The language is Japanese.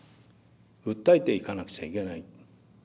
訴えていかなくちゃいけない。